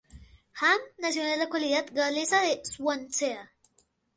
Ham nació en la localidad galesa de Swansea.